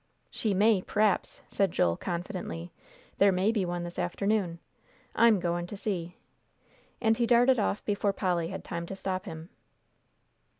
"She may, p'r'aps," said Joel, confidently "there may be one this afternoon. I'm goin' to see," and he darted off before Polly had time to stop him.